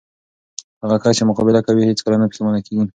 هغه کس چې مقابله کوي، هیڅ کله نه پښېمانه کېږي.